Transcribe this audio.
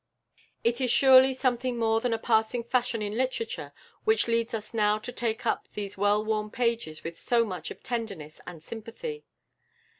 It is surely something more than a passing fashion in literature which leads us now to take up these well worn pages with so much of tenderness and sympathy.